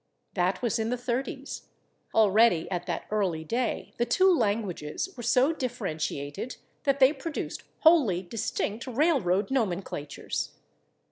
That was in the 30's. Already at that early day the two languages were so differentiated that they produced wholly distinct railroad nomenclatures.